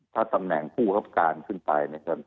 ถ้าตำแหน่งผู้รับการขึ้นไปนะครับ